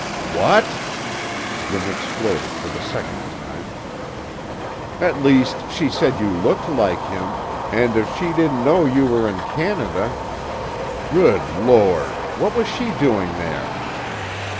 '" "What " Jim exploded for the second time. "At least, she said you looked like him, and if she didn't know you were in Canada " "Good Lord! What was she doing there?"